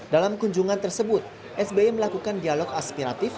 dalam kunjungan tersebut sby melakukan dialog aspiratif